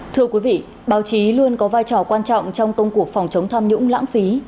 thưa quý vị báo chí luôn có vai trò quan trọng trong công cuộc phòng chống tham nhũng lãng phí